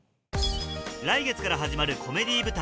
来月から始まるコメディー舞台